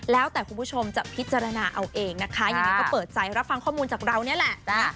แล้วแต่คุณผู้ชมจะพิจารณาเอาเองนะคะยังไงก็เปิดใจรับฟังข้อมูลจากเรานี่แหละนะ